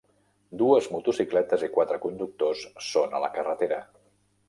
Dues motocicletes i quatre conductors són a la carretera